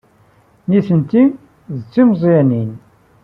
Nitenti d timeẓyanin.